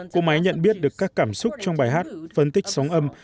cô máy nhận biết được các cảm xúc trong bài hát phân tích sóng âm